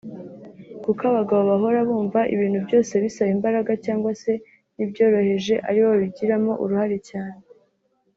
Kuko abagabo bahora bumva ibintu byose bisaba imbaraga cyangwa se n’ibyoroheje ari bo babigiramo uruhare cyane